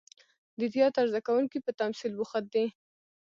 د تیاتر زده کوونکي په تمثیل بوخت دي.